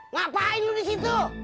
ngapain lu disitu